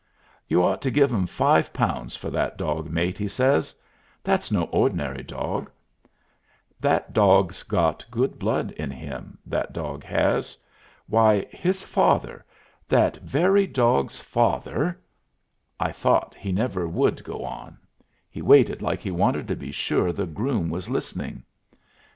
"You ought to give 'im five pounds for that dog, mate," he says; "that's no ordinary dog. That dog's got good blood in him, that dog has. Why, his father that very dog's father " I thought he never would go on. He waited like he wanted to be sure the groom was listening.